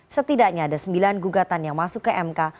setidaknya ada sembilan gugatan yang masuk ke mk